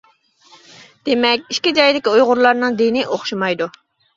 دېمەك ئىككى جايدىكى ئۇيغۇرلارنىڭ دىنى ئوخشىمايدۇ.